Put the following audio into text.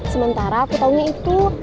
sementara aku tau nih itu